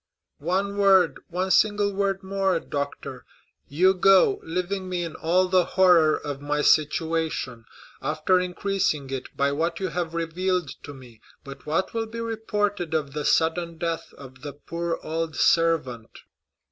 "One word—one single word more, doctor! You go, leaving me in all the horror of my situation, after increasing it by what you have revealed to me. But what will be reported of the sudden death of the poor old servant?"